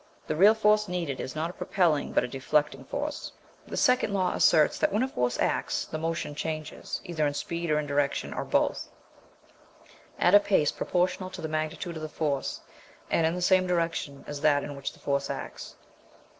The real force needed is not a propelling but a deflecting force. The second law asserts that when a force acts, the motion changes, either in speed or in direction, or both, at a pace proportional to the magnitude of the force, and in the same direction as that in which the force acts.